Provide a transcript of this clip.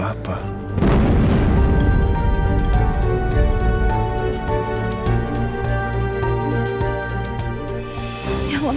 ya allah mas